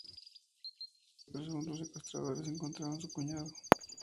Entre los presuntos secuestradores se encontraba su cuñado.